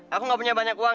aku gak punya banyak uang